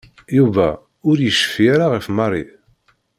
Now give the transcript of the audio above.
Yuba ur yecfi ara ɣef Mary.